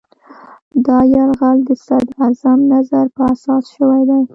دا یرغل د صدراعظم نظر په اساس شوی دی.